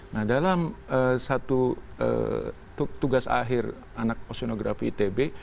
nah dalam satu tugas akhir anak osionografi itb